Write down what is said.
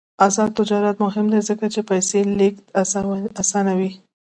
آزاد تجارت مهم دی ځکه چې پیسې لیږد اسانوي.